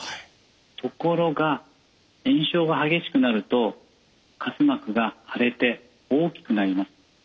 ところが炎症が激しくなると滑膜が腫れて大きくなります。